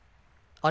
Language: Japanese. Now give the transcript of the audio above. あれ！？